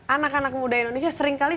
anak anak muda indonesia sering kali